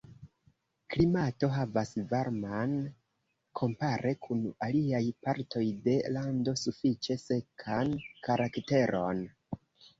Klimato havas varman, kompare kun aliaj partoj de lando sufiĉe sekan karakteron.